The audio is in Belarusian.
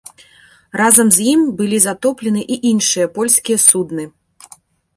Разам з ім былі затоплены і іншыя польскія судны.